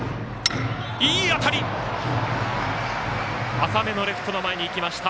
浅めのレフトの前にいきました。